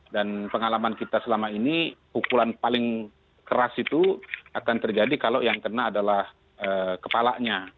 dan pengalaman kita selama ini pukulan paling keras itu akan terjadi kalau yang kena adalah kepalanya